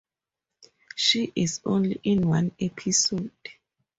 She is only in one episode.